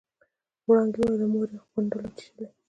وړانګې وويل مور يې غونډل وچېچلې.